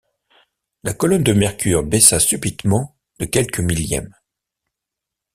La colonne de mercure baissa subitement de quelques millièmes.